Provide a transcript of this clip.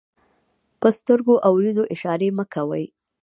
په سترګو او وريځو اشارې مه کوئ!